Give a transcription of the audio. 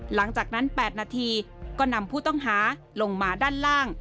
หลังจากนั้น๘นาทีก็นำผู้ต้องหาลงมาด้านล่าง